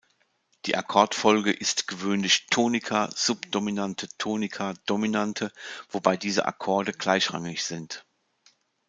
Die Akkordfolge ist gewöhnlich Tonika–Subdominante–Tonika–Dominante, wobei diese Akkorde gleichrangig sind.